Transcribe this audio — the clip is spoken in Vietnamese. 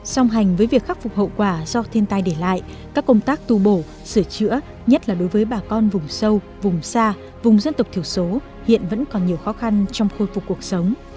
song hành với việc khắc phục hậu quả do thiên tai để lại các công tác tu bổ sửa chữa nhất là đối với bà con vùng sâu vùng xa vùng dân tộc thiểu số hiện vẫn còn nhiều khó khăn trong khôi phục cuộc sống